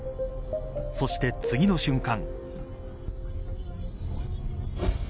そして次の瞬間。